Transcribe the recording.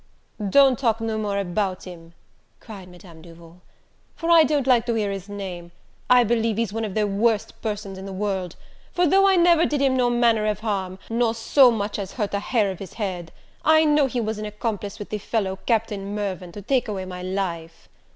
"Don't talk no more about him," cried Madame Duval, "for I don't like to hear his name: I believe he's one of the worst persons in the world; for though I never did him no manner of harm, nor so much as hurt a hair of his head, I know he was an accomplice with the fellow, Captain Mirvan, to take away my life."